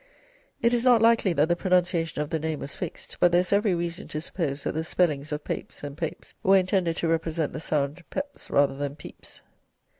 It is not likely that the pronunciation of the name was fixed, but there is every reason to suppose that the spellings of Peyps and Peaps were intended to represent the sound Pepes rather than Peeps.